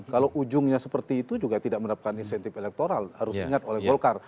kalau ujungnya seperti itu juga tidak mendapatkan insentif elektoral harus ingat oleh golkar